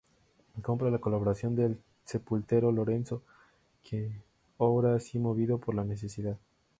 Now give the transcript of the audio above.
Compra la colaboración del sepulturero, Lorenzo, quien obra así movido por la necesidad.